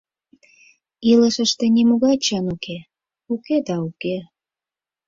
Илышыште нимогай чын уке, уке да уке.